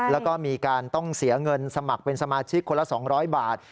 แล้วก็มีการต้องเสียเงินสมัครเป็นสมาชิกคนละ๒๐๐บาท